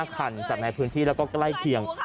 คันจากในพื้นที่แล้วก็ใกล้เคียง